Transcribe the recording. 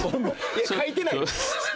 いや書いてないねん。